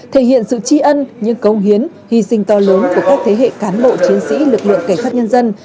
thể hiện sự tri ân những công hiến hy sinh to lớn của các thế hệ cán bộ chiến sĩ lực lượng cảnh sát nhân dân